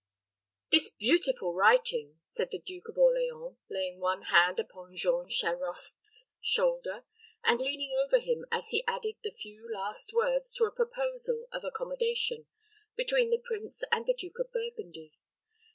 "This is beautiful writing," said the Duke of Orleans, laying one hand upon Jean Charost's shoulder, and leaning over him as he added the few last words to a proposal of accommodation between the prince and the Duke of Burgundy.